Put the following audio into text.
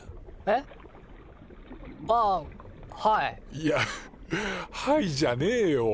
いや「はい」じゃねえよ。